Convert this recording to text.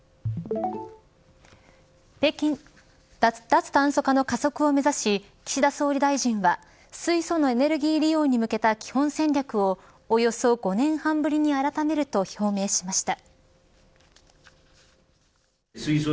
脱炭素化の加速を目指し岸田総理大臣は水素のエネルギー利用に向けた基本戦略をおよそ５年半ぶりに改めると表明しました。